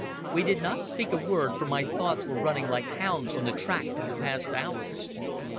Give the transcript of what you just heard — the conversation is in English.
We did not speak a word, for my thoughts were running like hounds on the track of the past hours.